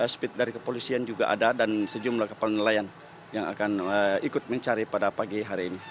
speed dari kepolisian juga ada dan sejumlah kapal nelayan yang akan ikut mencari pada pagi hari ini